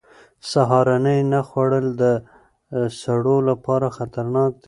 سهارنۍ نه خوړل د سړو لپاره خطرناک دي.